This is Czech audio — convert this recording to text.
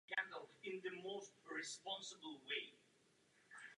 Poté se začal zvyšovat počet nezaměstnaných a zhoršovat životní podmínky.